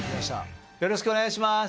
よろしくお願いします。